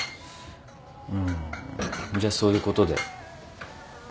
うんじゃあそういうことで。